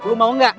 lo mau gak